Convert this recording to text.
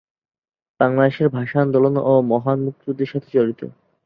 বাংলাদেশের ভাষা আন্দোলন ও মহান মুক্তিযুদ্ধের সাথে জড়িত।